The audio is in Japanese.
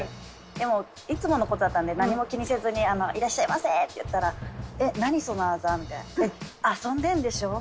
でもいつもの事だったんで何も気にせずに「いらっしゃいませ！」って言ったら「えっなにそのアザ！？」みたいな。「遊んでるんでしょう？」